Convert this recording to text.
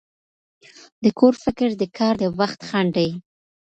د کور فکر د کار د وخت خنډ دی.